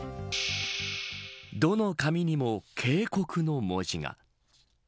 どの紙にも警告の文字が。